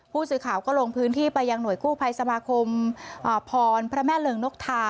ผู้สื่อข่าวก็ลงพื้นที่ไปยังหน่วยกู้ภัยสมาคมพรพระแม่เริงนกทา